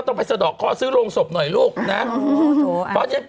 ต้องไปสะดอกเคาะซื้อโรงศพหน่อยลูกนะ